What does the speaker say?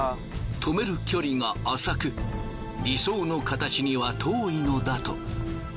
止める距離が浅く理想の形には遠いのだと。